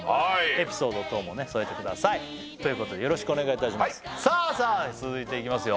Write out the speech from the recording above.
エピソード等も添えてくださいということでよろしくお願いいたしますさあさあ続いていきますよ